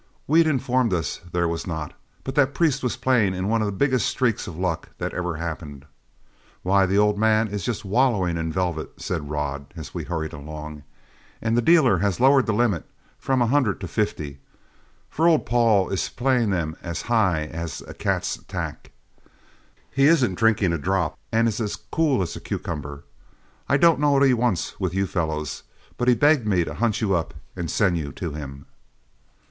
Wheat informed us there was not, but that Priest was playing in one of the biggest streaks of luck that ever happened. "Why, the old man is just wallowing in velvet," said Rod, as we hurried along, "and the dealer has lowered the limit from a hundred to fifty, for old Paul is playing them as high as a cat's tack. He isn't drinking a drop, and is as cool as a cucumber. I don't know what he wants with you fellows, but he begged me to hunt you up and send you to him."